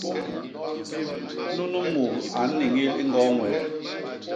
Nunu mut a nniñil i ñgoo Ñwet.